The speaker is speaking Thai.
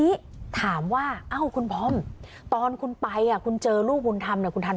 ไม่อยากให้แม่เป็นอะไรไปแล้วนอนร้องไห้แท่ทุกคืน